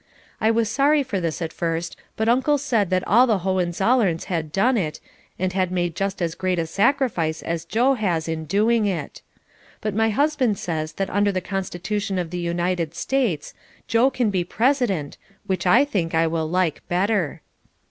I was sorry for this at first but Uncle said that all the Hohenzollerns had done it and had made just as great a sacrifice as Joe has in doing it. But my husband says that under the constitution of the United States, Joe can be President, which I think I will like better.